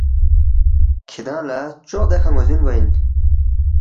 کِھدانگ لہ چوق دیکھہ ن٘وزِن گوے اِن